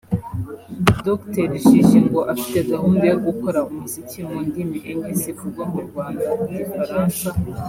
Dr Jiji ngo afite gahunda yo gukora umuziki mu ndimi enye zivugwa mu Rwanda Igifaransa